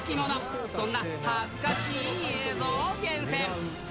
そんな恥ずかしい映像を厳選。